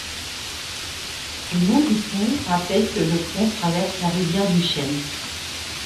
Le nom du pont rappelle que le pont traverse la rivière du Chêne.